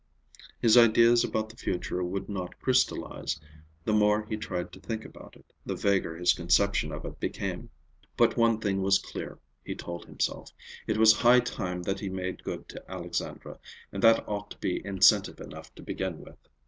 His ideas about the future would not crystallize; the more he tried to think about it, the vaguer his conception of it became. But one thing was clear, he told himself; it was high time that he made good to Alexandra, and that ought to be incentive enough to begin with.